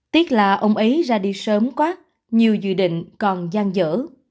tiếc là ông ấy ra đi sớm quá nhiều dự định còn gian dở